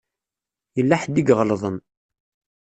Yella ḥedd i iɣelḍen.